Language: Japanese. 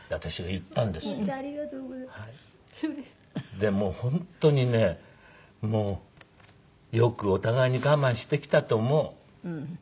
でも本当にねよくお互いに我慢してきたと思う。